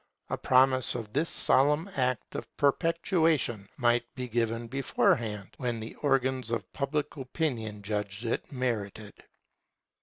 A promise of this solemn act of perpetuation might be given beforehand, when the organs of public opinion judged it merited.